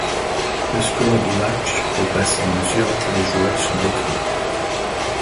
Le score du match progresse à mesure que les joueurs sont détruits.